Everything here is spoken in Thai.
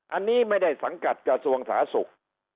อันนี้ไม่ได้สังกัดกระทรวงสาธารณสุข